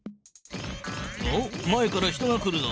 おっ前から人が来るぞ。